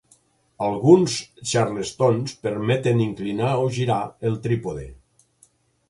Alguns xarlestons permeten inclinar o girar el trípode.